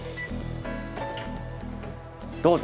どうぞ。